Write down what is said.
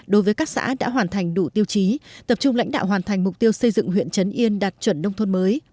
đối với các xã đã hoàn thành đủ tiêu chí tập trung lãnh đạo hoàn thành mục tiêu xây dựng huyện trấn yên đạt chuẩn nông thôn mới